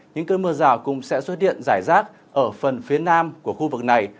những cơn mưa rào cũng sẽ xuất hiện rải rác ở phần phía nam của khu vực này